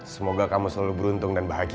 semoga kamu selalu beruntung dan bahagia